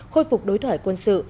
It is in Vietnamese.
khôi phục đối thoại quân sự